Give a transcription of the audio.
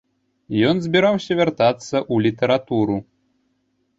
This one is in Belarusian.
Ён збіраўся вяртацца ў літаратуру.